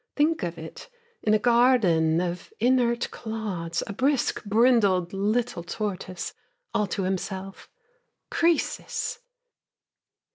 Think of it, in a garden of inert clods A brisk, brindled little tortoise, all to himself Croesus!